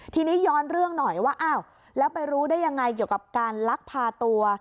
ทีนี้ย้อนเรื่องหน่อยว่าอ้าวแล้วไปรู้ได้ยังไงเกี่ยวกับการลักพาตัว